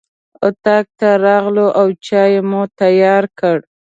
اطاق ته راغلو او چای مو تیار کړ.